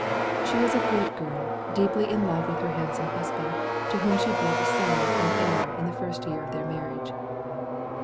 She was a good girl, deeply in love with her handsome husband> to whom she bore a son and heir in the first year of their marriage.